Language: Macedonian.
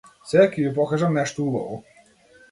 Сега ќе ви покажам нешто убаво.